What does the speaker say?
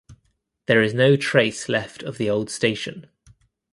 There is no trace left of the old station.